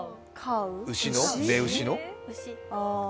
雌牛の？